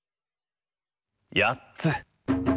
やっつ。